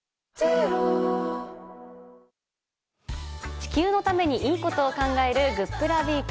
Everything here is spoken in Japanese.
地球のためにいいことを考えるグップラウィーク。